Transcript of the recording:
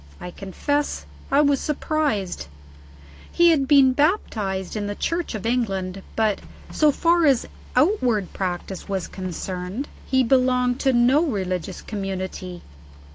I confess I was surprised. He had been baptized in the Church of England; but, so far as outward practice was concerned, he belonged to no religious community.